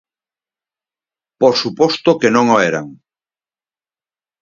Por suposto que non o eran.